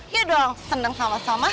ya dong seneng sama sama